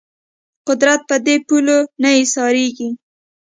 قدرت په دې پولو نه ایسارېږي